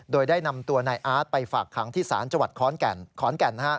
โดยได้นำตัวนายอาร์ตไปฝากขังที่ศาลจังหวัดขอนแก่น